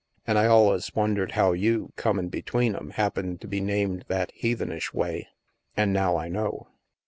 An' I alius won dered how you, comin' between 'em, happened to be named that heathenish way. An' now I know."